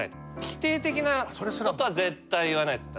否定的なことは絶対言わないです。